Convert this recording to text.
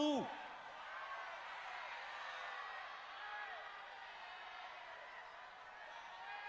jangan sampai keliru